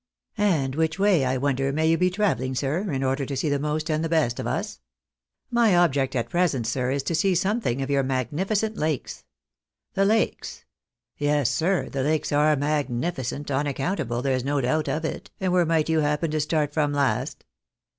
" And Vi hich way, I wonder, may you be travelling, sir, in order to see the most and the best of us? "" My object at present, sir, is to see something of your magnifi cent lakes." " The lakes ? Yes, sir, the lakes are magnificent, unaccountable, there's no doubt of it. And where might you happen to start from last?"